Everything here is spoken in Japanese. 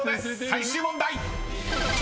［最終問題］